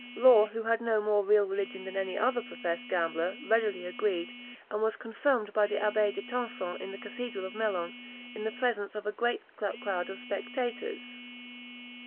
Law, who had no more real religion than any other professed gambler, readily agreed, and was confirmed by the Abbé de Tencin in the cathedral of Melun, in presence of a great crowd of spectators.